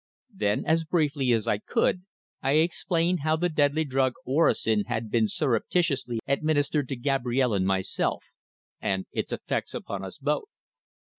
Then, as briefly as I could, I explained how the deadly drug orosin had been surreptitiously administered to Gabrielle and myself, and its effects upon us both.